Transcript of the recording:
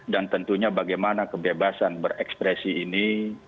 dan tentunya bagaimana kebebasan berekspresi ini